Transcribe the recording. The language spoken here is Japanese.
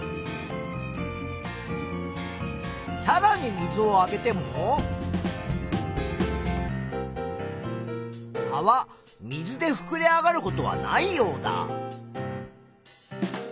さらに水をあげても葉は水でふくれ上がることはないようだ。